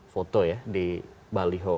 foto ya di baliho